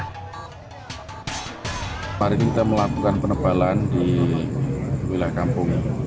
hari ini kita melakukan penebalan di wilayah kampung